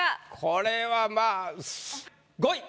これはまあ５位。